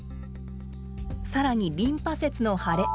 更にリンパ節の腫れ。